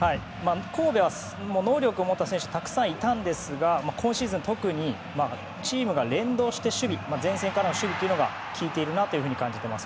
神戸は能力を持った選手がたくさんいたんですが今シーズン特にチームが連動して守備前線からの守備というのが効いているなと感じています。